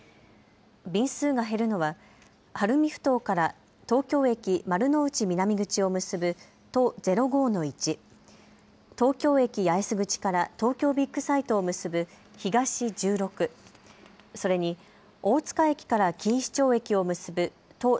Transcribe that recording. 便数が減るのは晴海埠頭から東京駅丸の内南口を結ぶ都０５−１、東京駅八重洲口から東京ビッグサイトを結ぶ東１６、それに大塚駅前から錦糸町駅を結ぶ都